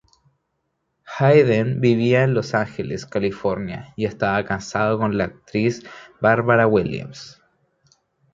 Hayden vivía en Los Ángeles, California y estaba casado con la actriz Barbara Williams.